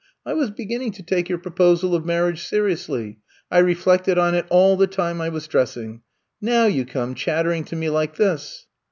I was beginning to take your proposal of marriage seriously. I reflected on it all the time I was dressing. Now you come chattering to me like this.